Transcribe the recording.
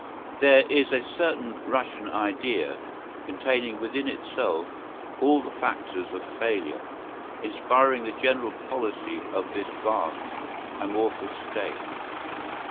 There is a certain "Russian idea," containing within itself all the factors of failure, inspiring the general policy of this vast amorphous State.